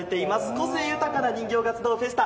個性豊かな人形が集うフェスタ